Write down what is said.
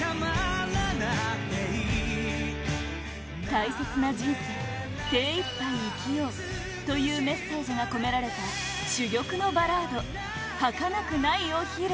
大切な人生精いっぱい生きようというメッセージが込められた珠玉のバラード「儚くない」を披露